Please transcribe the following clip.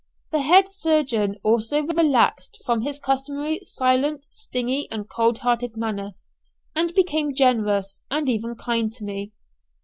The head surgeon also relaxed from his customary silent, stingy, and cold hearted manner, and became generous, and even kind to me.